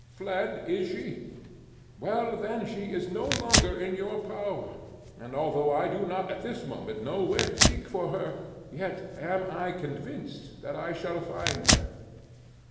Fled, is she? Well then, she is no longer in your power; and although I do not at this moment know where to seek for her, yet am I convinced that I shall find her.